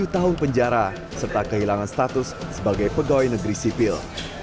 tujuh tahun penjara serta kehilangan status sebagai pegawai negeri sipil